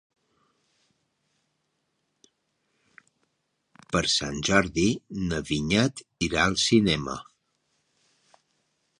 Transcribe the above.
Per Sant Jordi na Vinyet irà al cinema.